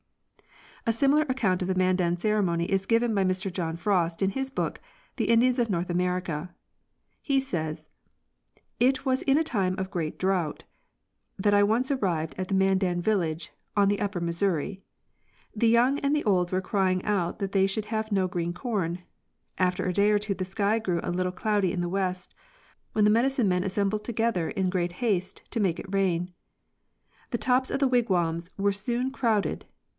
A similar account of the Mandan ceremony is given by Mr John Frost, in his book '' The Indians of North America " (New York, 1845, page 109). He says: It was in a time of great drought that I once arrived at the Mandan village on the upper Missouri. The young and the old were crying out that they should have no green corn. After a day or two the sky grew a little cloudy i in the west, when the medicine men assembled together in great haste to make it rain. The tops of the wigwams were soon crow ded.